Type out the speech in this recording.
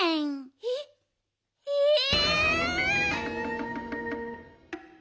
えっええ！